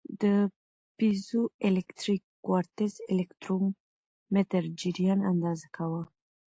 د پیزوالکتریک کوارتز الکترومتر جریان اندازه کاوه.